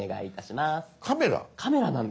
カメラなんです。